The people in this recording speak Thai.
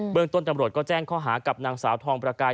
เมืองต้นตำรวจก็แจ้งข้อหากับนางสาวทองประกาย